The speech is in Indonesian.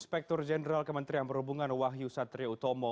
inspektur jenderal kementerian perhubungan wahyu satria utomo